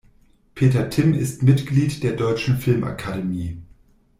Peter Timm ist Mitglied der Deutschen Filmakademie.